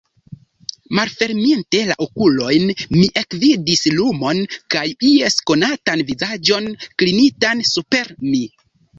Malferminte la okulojn, mi ekvidis lumon kaj ies konatan vizaĝon klinitan super mi.